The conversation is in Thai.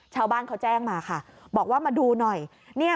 ชาวบ้านเขาแจ้งมาค่ะบอกว่ามาดูหน่อย